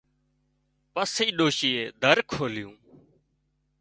پسي ڏوشيئي در کولُيون